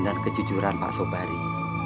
dan kejujuran pak sobari